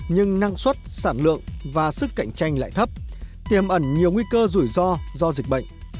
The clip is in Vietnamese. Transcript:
nhưng năng suất sản lượng và sức cạnh tranh lại thấp tiềm ẩn nhiều nguy cơ rủi ro do dịch bệnh